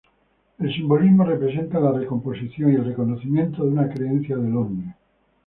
El simbolismo representa la re-composición y el reconocimiento de una creencia del hombre.